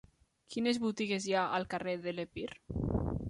Quines botigues hi ha al carrer de l'Epir?